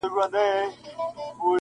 یانې مرګ پسې مې ټول جهان را ووت -